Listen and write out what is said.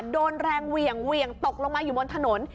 โดนแรงเหวี่ยงตกลงมาอยู่บนถนน